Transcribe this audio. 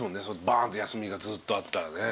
バーンと休みがずっとあったらね。